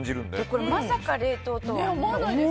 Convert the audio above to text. これ、まさか冷凍とはね。